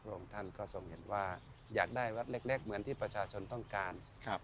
องค์ท่านก็ทรงเห็นว่าอยากได้วัดเล็กเหมือนที่ประชาชนต้องการ